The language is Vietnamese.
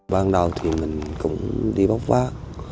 ban đầu thì mình cũng đi bốc phát